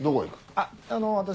あっあの私。